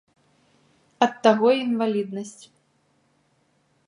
Ад таго й інваліднасць.